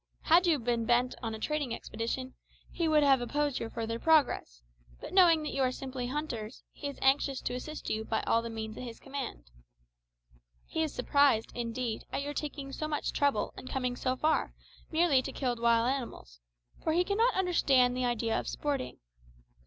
Had you been bent on a trading expedition, he would have opposed your further progress; but knowing that you are simply hunters, he is anxious to assist you by all the means at his command. He is surprised, indeed, at your taking so much trouble and coming so far merely to kill wild animals, for he cannot understand the idea of sporting.